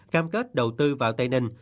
cam kết đầu tư vào tây ninh